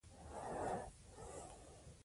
دا زموږ د ژوند وفاداره ملګرې ده.